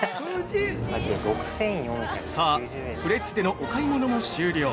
◆さぁ、フレッツでのお買い物も終了！